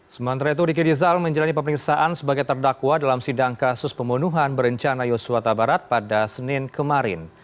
sementara itu riki dizal menjalani pemirsaan sebagai terdakwa dalam sidang kasus pembunuhan berencana yosuata barat pada senin kemarin